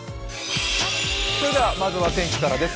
まずは天気からです。